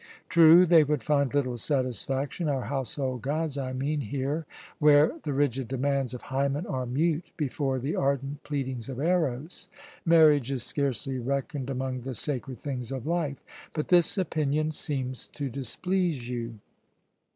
True, they would find little satisfaction our household gods I mean here, where the rigid demands of Hymen are mute before the ardent pleadings of Eros. Marriage is scarcely reckoned among the sacred things of life. But this opinion seems to displease you."